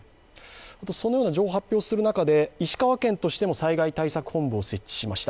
そのような情報を発表する中で石川県としても災害対策本部を立ち上げました。